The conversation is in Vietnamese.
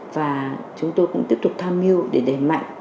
và chúng tôi cũng tiếp tục tham mưu để đẩy mạnh